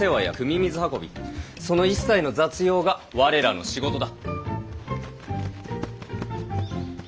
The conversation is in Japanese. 水運びその一切の雑用が我らの仕事だ。